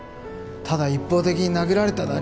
ただ一方的に殴られただけ。